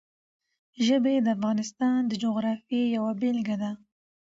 ژبې د افغانستان د جغرافیې یوه بېلګه ده.